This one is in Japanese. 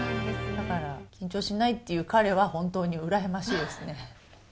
だから、緊張しないって言う彼は、本当に羨ましいですね。